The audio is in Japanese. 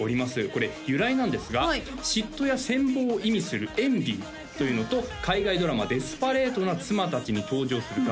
これ由来なんですが嫉妬や羨望を意味するＥｎｖｙというのと海外ドラマ「デスパレートな妻たち」に登場するガブリエル